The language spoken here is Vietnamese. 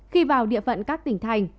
khi vào địa phận các tỉnh thành